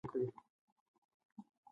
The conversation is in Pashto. هغه په ځواب ورکولو کې هیڅ ځنډ نه کوي.